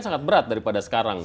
sangat berat daripada sekarang